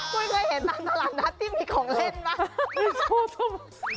คุณเคยเห็นตามตลาดนักที่มีของเล่นปะ